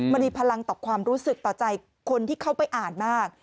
มันมีพลังต่อความรู้สึกต่อใจคนที่เข้าไปอ่านมาก